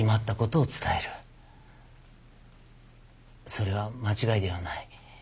それは間違いではない。